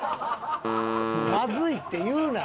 「まずい」って言うな！